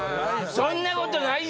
そんなことないよ！